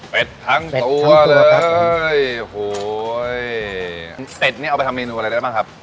เป็นทั้งตัวเลยโอ้โหเป็ดนี่เอาไปทำเมนูอะไรได้บ้างครับ